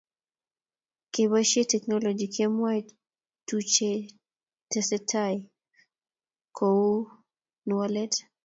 keboishe teknolochy kemwae tuchye tesei taii kokonu wallet